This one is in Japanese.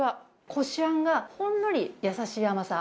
こしあんがほんのりやさしい甘さ。